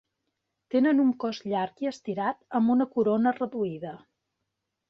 Tenen un cos llarg i estirat amb una corona reduïda.